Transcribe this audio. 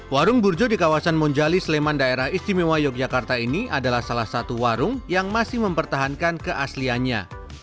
warung burjo di kawasan monjali sleman daerah istimewa yogyakarta ini adalah salah satu warung yang masih mempertahankan keasliannya